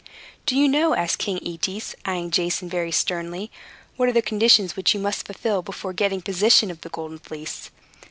"Do you know," asked King Aetes, eyeing Jason very sternly, "what are the conditions which you must fulfill before getting possession of the Golden Fleece?"